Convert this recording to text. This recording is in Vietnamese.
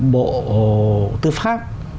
bộ tư pháp